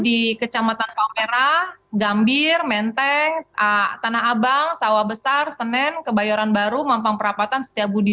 di kecamatan palmerah gambir menteng tanah abang sawah besar senen kebayoran baru mampang perapatan setiabudi